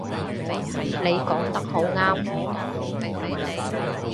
你講得好啱